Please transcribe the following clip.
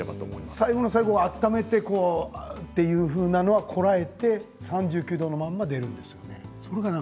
最後の最後、温めてというのは３９度のまま出るんですよね。